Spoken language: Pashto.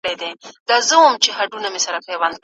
که ته زیار وباسې بریالی کیږې.